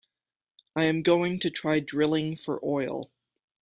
I am going to try drilling for oil.